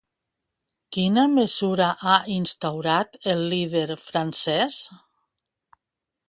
Quina mesura ha instaurat el líder francès?